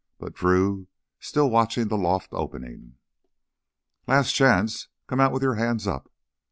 But Drew still watched the loft opening. "Last chance ... come out with your hands up!"